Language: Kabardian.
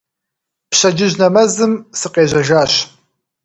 Пщэдджыжь нэмэзым сыкъежьэжащ.